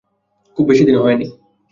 খুব বেশিদিনও হয়নি।